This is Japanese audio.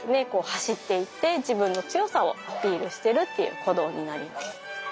走っていって自分の強さをアピールしてるっていう行動になります。